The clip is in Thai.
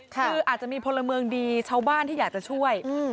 คืออาจจะมีพลเมืองดีชาวบ้านที่อยากจะช่วย